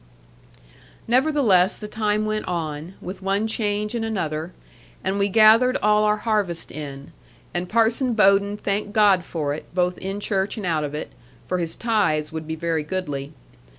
Nevertheless the time went on, with one change and another; and we gathered all our harvest in; and Parson Bowden thanked God for it, both in church and out of it; for his tithes would be very goodly.